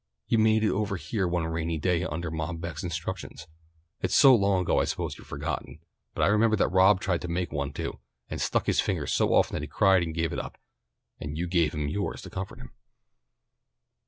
You made it over here one rainy day under Mom Beck's instructions. It's so long ago I suppose you've forgotten, but I remember that Rob tried to make one too, and stuck his fingers so often that he cried and gave it up, and you gave him yours to comfort him."